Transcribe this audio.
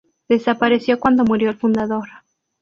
Desapareció cuando murió el fundador.